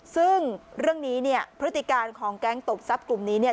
ซึ่งเรื่องนี้เนี่ยพฤติการของแก๊งตบทรัพย์กลุ่มนี้เนี่ย